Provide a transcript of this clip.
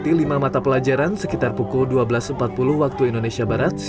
di pulang ke rumah tulis ya